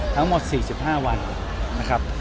ทั้งหมด๔๕วันนะครับ